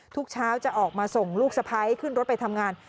ทุกเช้าจะออกมาส่งลูกสะพ้ายขึ้นรถไปทำงาน